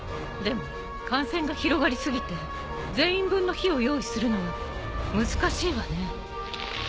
でも感染が広がり過ぎて全員分の火を用意するのは難しいわね。